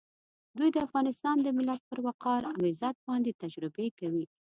دوی د افغانستان د ملت پر وقار او عزت باندې تجربې کوي.